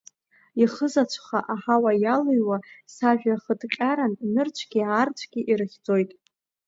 Ихызаҵәха аҳауа иалыҩуа сажәа хыҭҟьаран нырцәгьы аарцәгьы ирыхьӡоит.